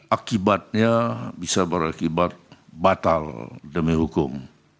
akibatnya bisa berakibat batal demi hukum